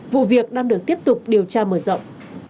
vụ việc đang được tiếp tục điều tra mở rộng